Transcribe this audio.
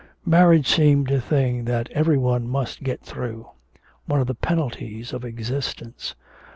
Marriage seemed a thing that every one must get through; one of the penalties of existence.